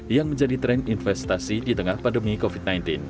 yang menjadi tren investasi di tengah pandemi covid sembilan belas